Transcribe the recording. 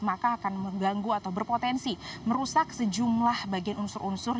maka akan mengganggu atau berpotensi merusak sejumlah bagian unsur unsur